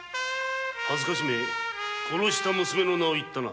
はずかしめ殺した娘の名を言ったな。